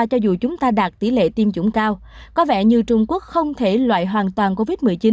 cho dù chúng ta đạt tỷ lệ tiêm chủng cao có vẻ như trung quốc không thể loại hoàn toàn covid một mươi chín